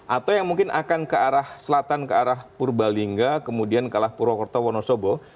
atau yang mungkin akan ke arah selatan ke arah purbalingga kemudian ke arah purwokerto wonosobo